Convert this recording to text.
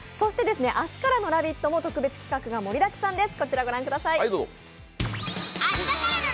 明日からの「ラヴィット！」も特別企画が盛りだくさんです。